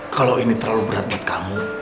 kalau ini terlalu berat buat kamu